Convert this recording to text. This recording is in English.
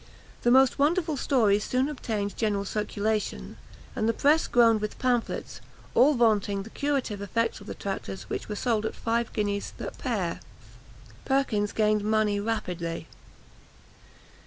The most wonderful stories soon obtained general circulation, and the press groaned with pamphlets, all vaunting the curative effects of the tractors, which were sold at five guineas the pair. Perkins gained money rapidly.